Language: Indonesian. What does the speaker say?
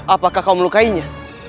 apakah kau melukainya